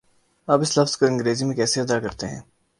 آپ اس لفظ کو انگریزی میں کیسے ادا کرتےہیں؟